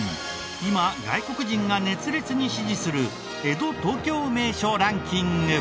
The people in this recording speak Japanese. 今外国人が熱烈に支持する江戸・東京名所ランキング。